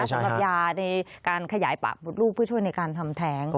สำหรับยาในการขยายปากบุดลูกเพื่อช่วยในการทำแท้ง